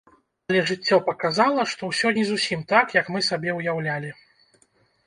Але жыццё паказала, што ўсё не зусім так, як мы сабе ўяўлялі.